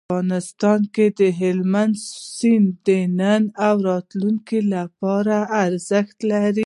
افغانستان کې هلمند سیند د نن او راتلونکي لپاره ارزښت لري.